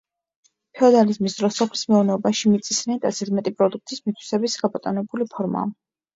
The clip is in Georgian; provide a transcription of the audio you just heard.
ფეოდალიზმის დროს სოფლის მეურნეობაში მიწის რენტა ზედმეტი პროდუქტის მითვისების გაბატონებული ფორმაა.